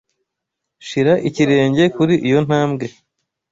Shira ikirenge kuri iyo ntambwe.